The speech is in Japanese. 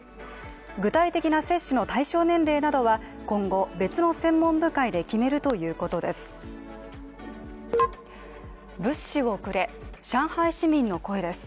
具体的な接種の対象年齢などは今後、別の専門部会で決めるということです。